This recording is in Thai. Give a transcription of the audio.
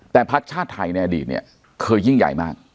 แต่พักชาติไทยในอดีตเนี่ยเคยยิ่งใหญ่มาก